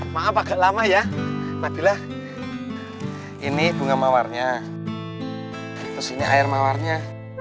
maaf agak lama ya nabilah ini bunga mawarnya terus ini air mawarnya